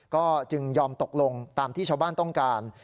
ก็จึงยอมตกลงตามที่ชาวบ้านต้องการ